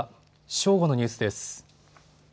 正午のニュースです。